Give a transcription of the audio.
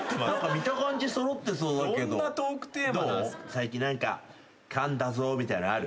最近何かかんだぞみたいなんある？